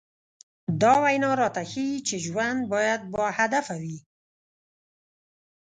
دا وينا راته ښيي چې ژوند بايد باهدفه وي.